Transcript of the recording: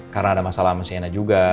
karena ada masalah sama si anna juga